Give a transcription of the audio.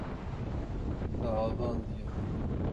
Te avandiye.